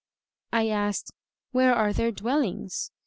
I asked, "Where are their dwellings?"